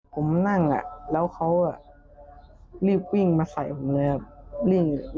ผมนั่งแล้วเขารีบวิ่งมาใส่ผมเลยครับ